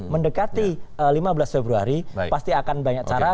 mendekati lima belas februari pasti akan banyak cara